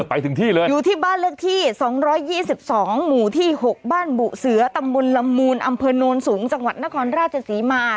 ไปถึงที่เลยอยู่ที่บ้านเลขที่๒๒หมู่ที่๖บ้านบุเสือตำบลละมูลอำเภอโนนสูงจังหวัดนครราชศรีมา